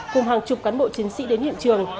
cùng hàng chục cán bộ chiến sĩ đến hiện trường